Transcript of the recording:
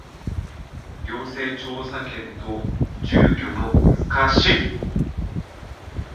行政調査権と住居の不可侵